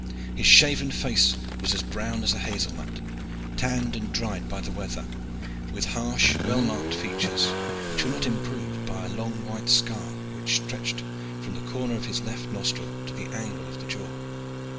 His shaven face was as brown as a hazel nut, tanned and dried by the weather, with harsh, well marked features, which were not improved by a long white scar which stretched from the corner of his left nostril to the angle of the jaw.